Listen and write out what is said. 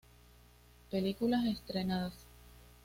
Películas estrenadas